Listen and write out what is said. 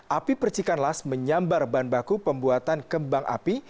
api percikan las menyambar bahan baku pembuatan kembang api